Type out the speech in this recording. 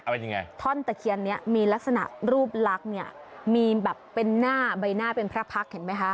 เป็นยังไงท่อนตะเคียนเนี้ยมีลักษณะรูปลักษณ์เนี่ยมีแบบเป็นหน้าใบหน้าเป็นพระพักษ์เห็นไหมคะ